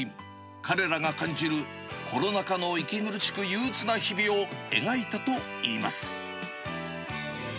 彼らが感じる、コロナ禍の息苦しく憂うつな日々を描いたといいます。